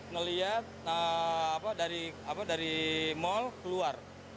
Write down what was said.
ngelihat dari mall keluar